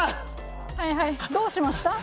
はいはいどうしました？